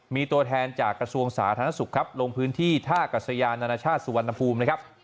มีตัวแทนจากกระทรวงสาธารณสุขครับลงพื้นที่ท่ากัศยานานาชาติสุวรรณภูมินะครับ